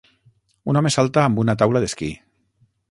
Un home salta amb una taula d'esquí.